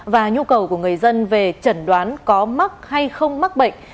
và nhu cầu của người dân về trần đoán có mắc hay không mắc bệnh